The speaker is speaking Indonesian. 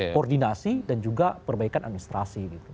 koordinasi dan juga perbaikan administrasi gitu